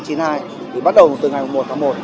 thì bắt đầu từ ngày một tháng một